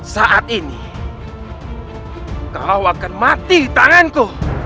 saat ini kau akan mati di tanganku